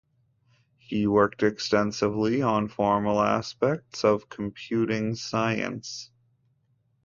He worked extensively on formal aspects of computing science.